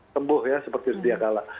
tembuh ya seperti setiap kala